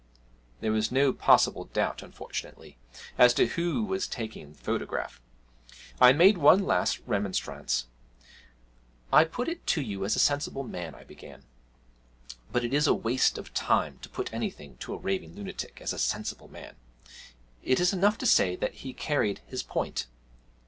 There was no possible doubt, unfortunately, as to who was taking the photograph. I made one last remonstrance. 'I put it to you as a sensible man,' I began; but it is a waste of time to put anything to a raving lunatic as a sensible man. It is enough to say that he carried his point.